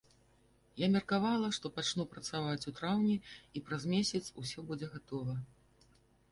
Я меркавала, што пачну працаваць у траўні і праз месяц усё будзе гатова.